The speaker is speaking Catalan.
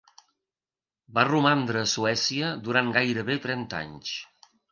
Va romandre a Suècia durant gairebé trenta anys.